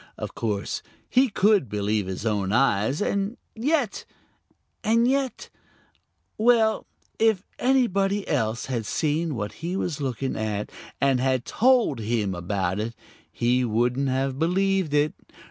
Of course he could believe his own eyes, and yet and yet well, if anybody else had seen what he was looking at and had told him about it, he wouldn't have believed it.